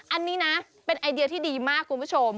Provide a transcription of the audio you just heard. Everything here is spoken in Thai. อันนี้นะเป็นไอเดียที่ดีมากคุณผู้ชม